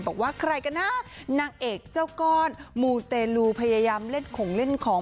บอกว่าใครกันนะนางเอกเจ้าก้อนมูเตลูพยายามเล่นของเล่นของ